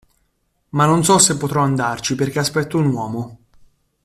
Ma non so se potrò andarci perché aspetto un uomo.